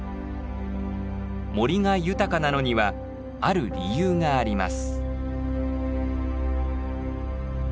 森が豊かなのにはある理由があります。